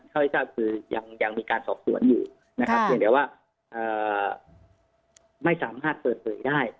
เข้าที่ทราบคือยังยังมีการสอบส่วนอยู่นะครับคือเหลือว่า